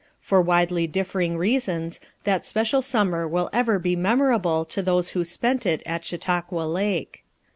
For widely differing rea sons that special summer will ever be memor able to those who spent it at Chautauqua Lake.